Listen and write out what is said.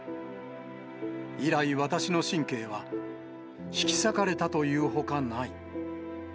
以来、私の神経は、引き裂かれたというほかない。